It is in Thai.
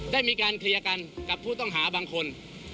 ได้มีการเคลียร์กันกับผู้ต้องหาบางคน